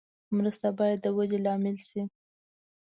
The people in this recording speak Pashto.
مرسته باید د ودې لامل شي.